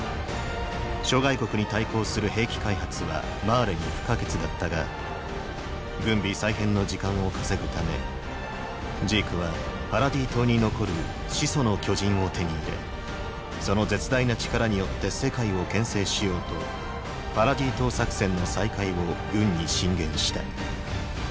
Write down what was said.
諸外国に対抗する兵器開発はマーレに不可欠だったが軍備再編の時間を稼ぐためジークはパラディ島に残る「始祖の巨人」を手に入れその絶大な力によって世界を牽制しようとパラディ島作戦の再開を軍に進言した。